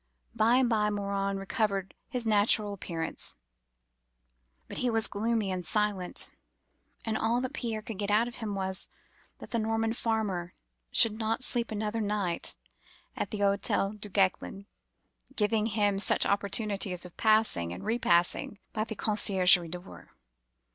By and by Morin recovered his natural appearance; but he was gloomy and silent; and all that Pierre could get out of him was, that the Norman farmer should not sleep another night at the Hotel Duguesclin, giving him such opportunities of passing and repassing by the conciergerie door.